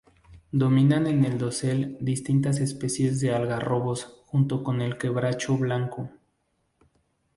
Dominan en el dosel distintas especies de algarrobos junto con el quebracho blanco.